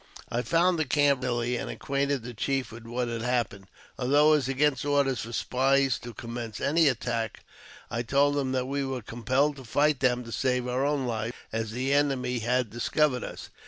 I found the camj: readily, and acquainted the chief with what had happened, although it is against orders for spies to commence any attack. I told him that we were compelled to fight them to save ourj own lives, as the enemy had discovered us.